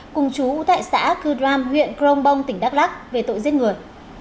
cùng chú tại xã cư ram huyện crong bong tỉnh đắk lắc về tội giết người